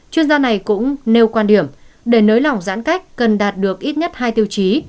chuyên gia này cũng nêu quan điểm để nới lỏng giãn cách cần đạt được ít nhất hai tiêu chí